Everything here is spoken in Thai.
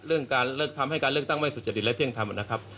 เรื่องการเลิกทำให้การเลิกตั้งไม่สุจริงและเพียงทำนะครับ